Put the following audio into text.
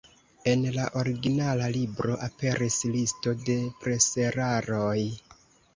En la originala libro aperis listo de preseraroj.